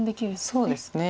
そうですね。